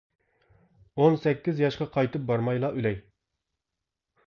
ئون سەككىز ياشقا قايتىپ بارمايلا ئۆلەي.